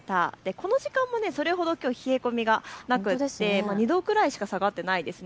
この時間もそれほど冷え込みがなくて２度くらいしか下がっていないです。